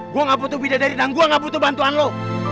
gua ga butuh bidadari dan gua ga butuh bantuan lu